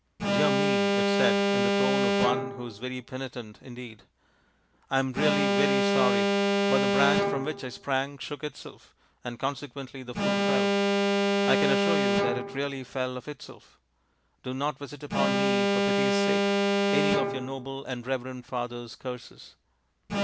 " Dear me," it said, in the tone of one who is very penitent indeed, " I am really very sorry ; but the branch from which I sprang shook itself, and conse quently the fruit fell. I can assure you that it really fell of itself. Do not visit upon me, for pity's sake, any of your noble and reverend father's curses."